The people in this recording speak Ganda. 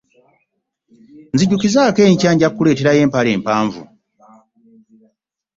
Nnzijukizaaako enkya nja kkuleeterayo empale empanvu.